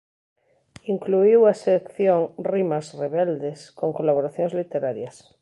Incluíu a sección Rimas rebeldes con colaboracións literarias.